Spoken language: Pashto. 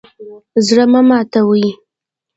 زړه مه ماتوئ